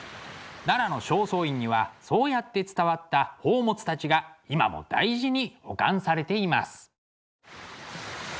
奈良の正倉院にはそうやって伝わった宝物たちが今も大事に保管されています。